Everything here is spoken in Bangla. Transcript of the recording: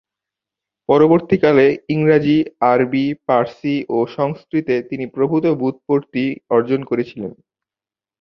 পরবর্তীকালে ইংরাজী, আরবি, পারসি ও সংস্কৃতে তিনি প্রভূত ব্যুৎপত্তি অর্জন করে ছিলেন।